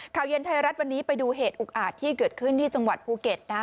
ข่าวเย็นไทยรัฐวันนี้ไปดูเหตุอุกอาจที่เกิดขึ้นที่จังหวัดภูเก็ตนะฮะ